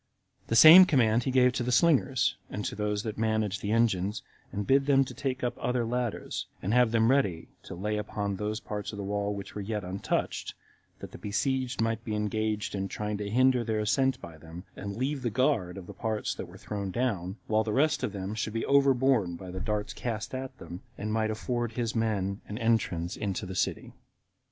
The same command he gave to the slingers, and to those that managed the engines, and bid them to take up other ladders, and have them ready to lay upon those parts of the wall which were yet untouched, that the besieged might be engaged in trying to hinder their ascent by them, and leave the guard of the parts that were thrown down, while the rest of them should be overborne by the darts cast at them, and might afford his men an entrance into the city.